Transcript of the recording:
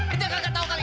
itu yang kagak tau kali